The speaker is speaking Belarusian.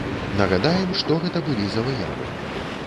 Нагадаем, што гэта былі за выявы.